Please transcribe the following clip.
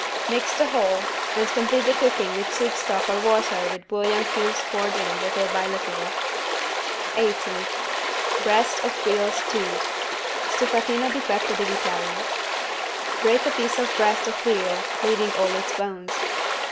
Mix the whole and complete the cooking with soup stock or water with bouillon cubes poured in little by little. 80 BREAST OF VEAL STEWED (Stufatino di petto di vitella) Break a piece of breast of veal leaving all its bones.